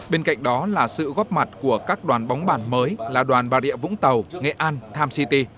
bên cạnh đó là sự góp mặt của các đoàn bóng bàn mới là đoàn bà rịa vũng tàu nghệ an times city